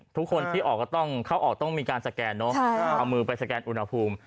ทุกคนที่ออกก็ต้องเข้าออกต้องมีการสแกนเนอะเอามือไปสแกนอุณหภูมิ